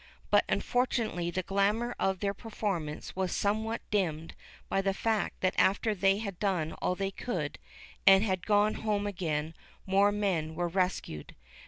But unfortunately the glamour of their performance was somewhat dimmed by the fact that after they had done all they could, and had gone home again, more men were rescued.